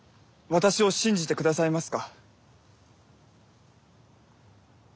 私を信じて待ってくださいますか？